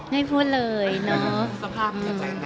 ไม่พูดเลยเนอะ